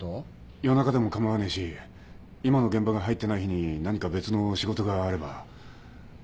夜中でも構わねえし今の現場が入ってない日に何か別の仕事があれば。